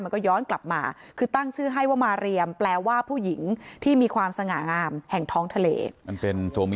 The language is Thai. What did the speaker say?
ย้อนกลับมาคือตั้งชื่อให้ว่ามาเรียมแปลว่าผู้หญิงที่มีความสง่างามแห่งท้องทะเล